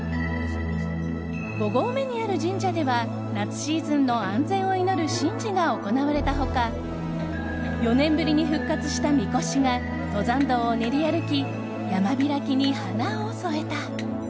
５合目にある神社では夏シーズンの安全を祈る神事が行われた他４年ぶりに復活したみこしが登山道を練り歩き山開きに華を添えた。